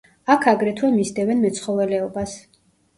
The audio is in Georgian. აქ აგრეთვე მისდევენ მეცხოველეობას.